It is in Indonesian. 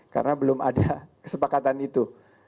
karena belum ada kesepakatan itu